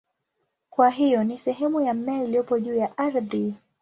Kwa hiyo ni sehemu ya mmea iliyopo juu ya ardhi.